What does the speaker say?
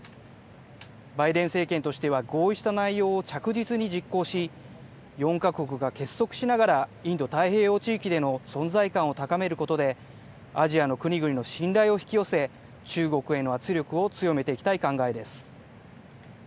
バイデン政権としては、合意した内容を着実に実行し、４か国が結束しながら、インド太平洋地域での存在感を高めることで、アジアの国々の信頼を引き寄せ、中国への圧力を強めていきたい考えです。